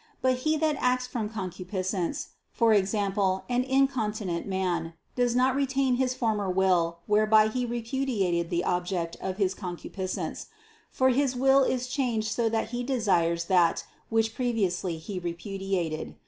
But he that acts from concupiscence, e.g. an incontinent man, does not retain his former will whereby he repudiated the object of his concupiscence; for his will is changed so that he desires that which previously he repudiated.